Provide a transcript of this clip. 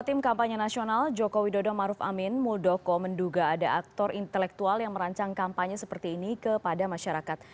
tim kampanye nasional jokowi dodo maruf amin muldoko menduga ada aktor intelektual yang merancang kampanye seperti ini kepada masyarakat